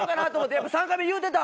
やっぱ３回目言うてた！